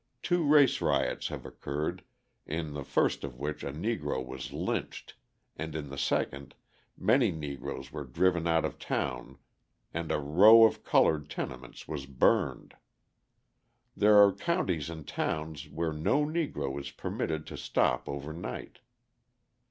two race riots have occurred, in the first of which a Negro was lynched and in the second many Negroes were driven out of town and a row of coloured tenements was burned. There are counties and towns where no Negro is permitted to stop over night.